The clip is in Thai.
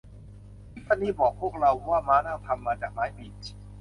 ทิฟฟานี่บอกพวกเราว่าม้านั่งทำจากไม้บีช